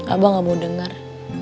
abah gak mau denger